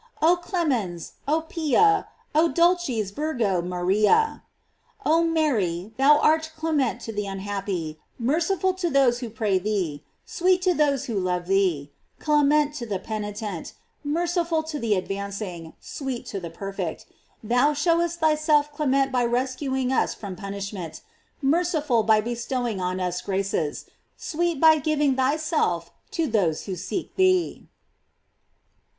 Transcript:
"Oh clemens, O pia, O dulcis Virgo Maria." Oh Mary, thou art clement to the unhappy, mer ciful to those who pray thee, sweet to those who love thee: clement to the penitent, merciful to the advancing, sweet to the perfect. Thou ehowest thyself clement by rescuing us from punishment, merciful by bestowing on us graces, sweet by giving thyself to those who seek thee.